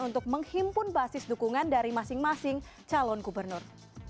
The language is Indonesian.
untuk menghimpun basis dukungan dari masing masing calon gubernur